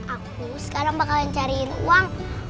aku sekarang bakalan cariin uang